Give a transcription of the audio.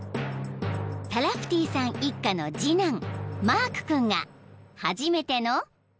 ［タラフティさん一家の次男マーク君が初めての］